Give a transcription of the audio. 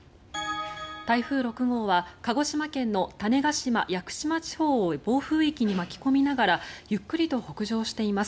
台風６号は鹿児島県の種子島・屋久島地方を暴風域に巻き込みながらゆっくりと北上しています。